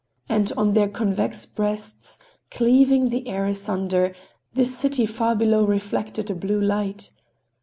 And on their convex breasts, cleaving the air asunder, the city far below reflected a blue light.